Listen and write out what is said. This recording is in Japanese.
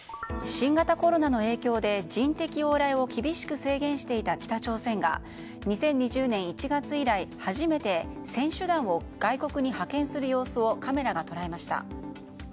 新型コロナの影響で人的往来を厳しく制限していた北朝鮮が２０２０年１月以来初めて選手団を外国に派遣する様子をカメラが捉えました。